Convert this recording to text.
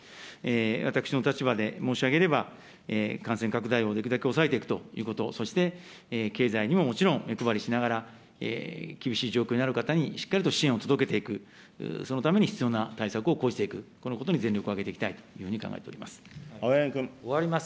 私の立場で申し上げれば、感染拡大をできるだけ抑えていくということ、そして、経済にももちろん目配りしながら、厳しい状況にある方にしっかりと支援を届けていく、そのために必要な対策を講じていく、このことに全力を挙げていきたいというふうに考えております。